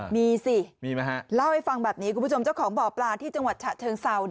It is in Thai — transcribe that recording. มีสิเล่าให้ฟังแบบนี้คุณผู้ชมเจ้าของบ่อปลาที่จังหวัดฉะเชิงเซา